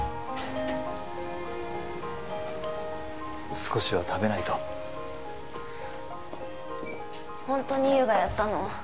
少しは食べないとホントに優がやったの？